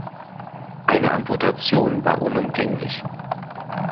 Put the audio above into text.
Eine Amputation war unumgänglich.